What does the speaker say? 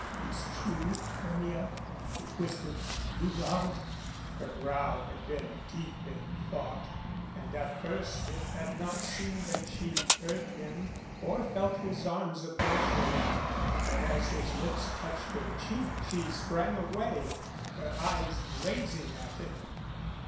"It's true, Hermia," he whispered, "you love ?" Her brow had been deep in thought, and at first it had not seemed that she heard him or felt his arms about her, but as his lips touched her cheek she sprang away, her eyes blazing at him.